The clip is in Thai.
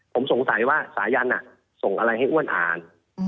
ผมสงสัยว่าสายันส่งอะไรให้อ้วนอ่าน